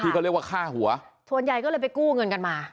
เขาเรียกว่าฆ่าหัวส่วนใหญ่ก็เลยไปกู้เงินกันมา